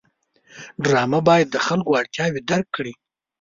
ډرامه باید د خلکو اړتیاوې درک کړي